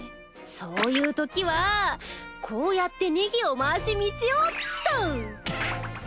そういうときはこうやってネギを回し道をっと！